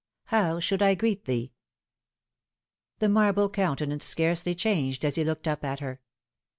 " HOW SHOULD I GREET THEE ?" THE marble countenance scarcely changed as he looked up at her.